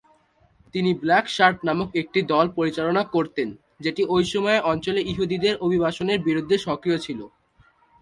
তিনি black shirt নামক একটি দল পরিচালনা করতেন, যেটি ঐ সময়ে অঞ্চলে ইহুদিদের অভিবাসনের বিরুদ্ধে সক্রিয় ছিল।